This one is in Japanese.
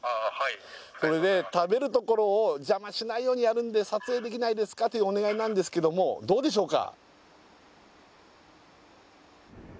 それで食べるところを邪魔しないようにやるんで撮影できないですかというお願いなんですけどもどうでしょうか？